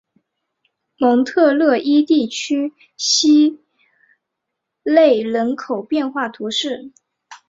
蒙特勒伊地区希勒人口变化图示